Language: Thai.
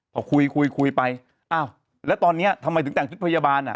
พอคุยคุยคุยไปอ้าวแล้วตอนนี้ทำไมถึงแต่งชุดพยาบาลอ่ะ